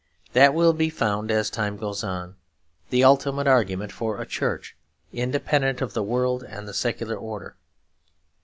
That will be found, as time goes on, the ultimate argument for a Church independent of the world and the secular order.